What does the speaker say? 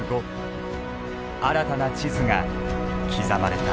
新たな地図が刻まれた。